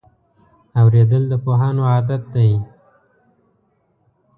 اورېدل د پوهانو عادت دی.